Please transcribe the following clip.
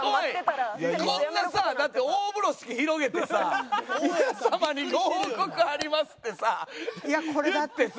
こんなさだって大風呂敷広げてさ「皆さまにご報告あります」ってさ言ってさ。